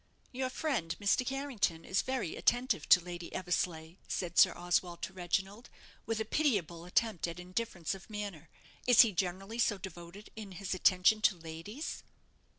"Your friend, Mr. Carrington, is very attentive to Lady Eversleigh," said Sir Oswald to Reginald, with a pitiable attempt at indifference of manner; "is he generally so devoted in his attention to ladies?"